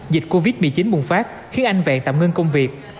dịch covid một mươi chín bùng phát khiến anh vẹn tạm ngưng công việc